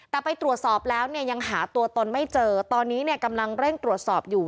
แต่ไปตรวจสอบแล้วเนี่ยยังหาตัวตนไม่เจอตอนนี้เนี่ยกำลังเร่งตรวจสอบอยู่